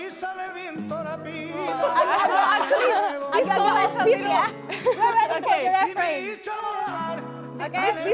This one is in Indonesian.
jadi kita bisa menangis salsa bersama mungkin kamu bisa melakukannya disini